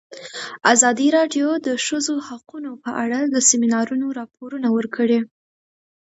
ازادي راډیو د د ښځو حقونه په اړه د سیمینارونو راپورونه ورکړي.